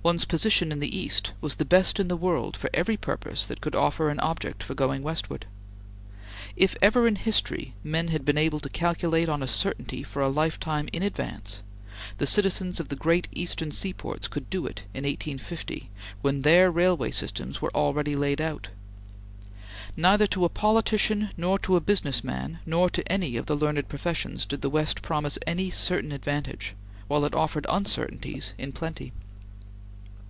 One's position in the East was the best in the world for every purpose that could offer an object for going westward. If ever in history men had been able to calculate on a certainty for a lifetime in advance, the citizens of the great Eastern seaports could do it in 1850 when their railway systems were already laid out. Neither to a politician nor to a business man nor to any of the learned professions did the West promise any certain advantage, while it offered uncertainties in plenty.